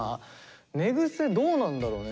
寝癖どうなんだろうね。